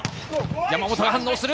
山本が反応する。